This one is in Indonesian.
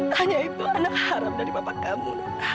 tanya itu anak haram dari papa kamu